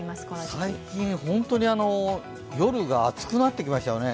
最近、本当に夜が暑くなってきましたよね。